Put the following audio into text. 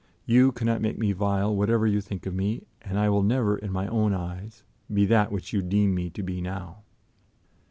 You cannot make me vile whatever you think of me, and I will never, in my own eyes, be that which you deem me to be now."